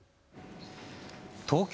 東京